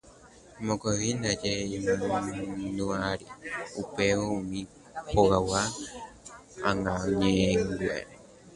Mokõive ndaje imandu'ákuri upérõ umi hogaykeregua ñe'ẽnguére.